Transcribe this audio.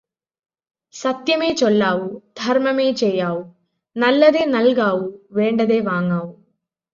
സത്യമേ ചൊല്ലാവൂ ധർമ്മമേ ചെയ്യാവൂ നല്ലതേ നൽകാവൂ വേണ്ടതേ വാങ്ങാവൂ.